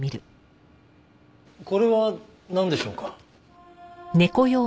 これはなんでしょうか？